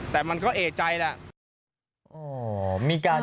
แต่มันก็เอกใจแหละ